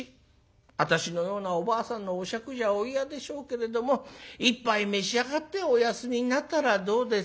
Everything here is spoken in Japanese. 私のようなおばあさんのお酌じゃお嫌でしょうけれども一杯召し上がってお休みになったらどうです』って